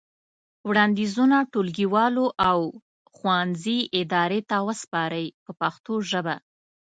وړاندیزونه ټولګیوالو او ښوونځي ادارې ته وسپارئ په پښتو ژبه.